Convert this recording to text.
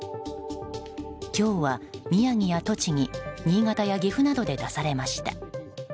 今日は宮城や栃木新潟や岐阜などで出されました。